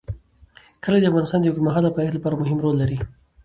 کلي د افغانستان د اوږدمهاله پایښت لپاره مهم رول لري.